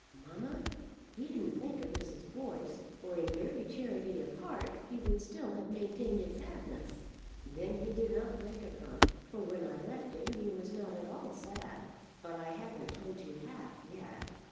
Mamma, he didn't think of Mrs. Boyce; or, in very charity of heart, he would still have maintained his sadness." "Then he did not think of her; for when I left him he was not at all sad. But I haven't told you half yet."